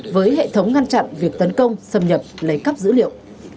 với hệ thống ngăn chặn việc tấn công xâm nhập lấy cắp dữ liệu